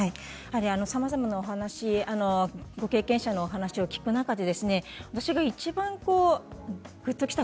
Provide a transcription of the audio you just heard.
さまざまな経験者のお話を聞く中で私がいちばんぐっときた